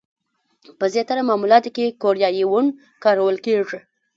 په زیاتره معاملاتو کې کوریايي وون کارول کېږي.